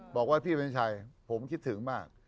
บอกว่าพี่เป็นชัยผมคิดถึงมาก